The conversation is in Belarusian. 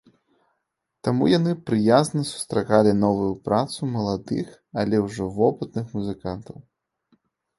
Таму яны прыязна сустракалі новую працу маладых, але ужо вопытных музыкаў.